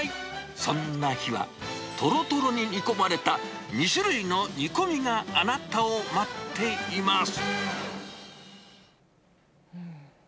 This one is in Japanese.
そんな日は、とろとろに煮込まれた２種類の煮込みがあなたを待っています。